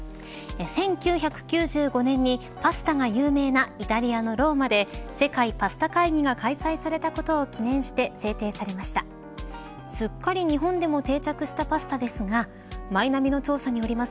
１９９５年に、パスタが有名なイタリアのローマで世界パスタ会議が開催されたことを記念して今はやりたいことだらけなんですよね